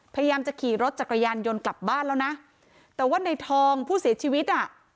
พยายามจะขี่รถจักรยานยนต์กลับบ้านแล้วนะแต่ว่าในทองผู้เสียชีวิตอ่ะ